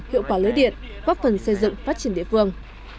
hiệu quả lưới điện góp phần xây dựng phát triển địa phương